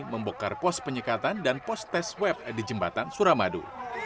membokar pos penyekatan dan pos tes web di jembatan suramadu